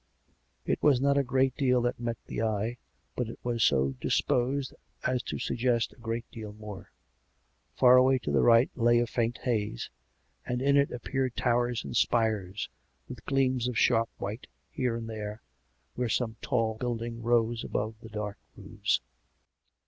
It was not a great deal that met the eye, but it was so disposed as to suggest a great deal more. Far away to the right lay a faint haze, and in it appeared towers and spires, with gleams of sharp white here and there, where some tall building rose above the dark roofs.